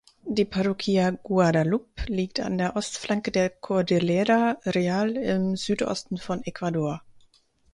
Die Parroquia Guadalupe liegt an der Ostflanke der Cordillera Real im Südosten von Ecuador.